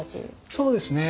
そうですね。